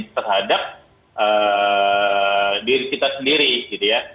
terhadap diri kita sendiri gitu ya